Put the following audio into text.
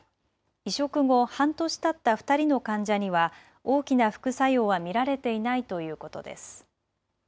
移植後、半年たった２人の患者には大きな副作用は見られていないということです。